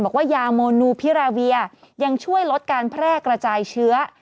บอกว่ายาโมนูพิราเวียยังช่วยลดการแพร่กระจายเชื้อ